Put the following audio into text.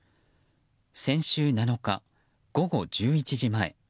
先週７日、午後１１時前。